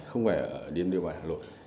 không phải ở điểm địa bảo hà nội